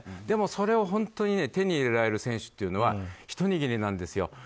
でも、それを本当に手に入れられる選手というのはひと握りなんですよ。